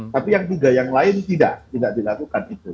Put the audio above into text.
tapi yang juga yang lain tidak tidak dilakukan itu